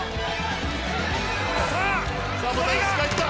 さあまた石川いった。